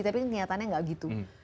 tapi kenyataannya nggak gitu